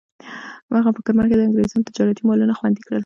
هغه په کرمان کې د انګریزانو تجارتي مالونه خوندي کړل.